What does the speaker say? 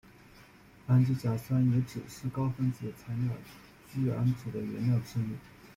氨基甲酸乙酯是高分子材料聚氨酯的原料之一。